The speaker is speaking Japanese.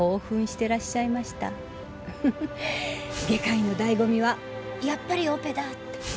フフフ外科医の醍醐味はやっぱりオペだ！って。